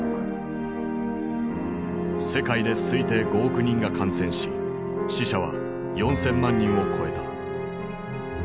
世界で推定５億人が感染し死者は４，０００万人を超えた。